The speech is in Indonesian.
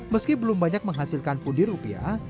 meski belum banyak menghasilkan pundi rupiah